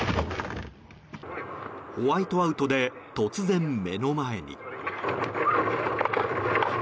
ホワイトアウトで突然、目の前に。